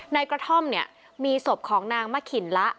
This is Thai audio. ในกระท่อมเนี่ยมีศพของนางมะขินละ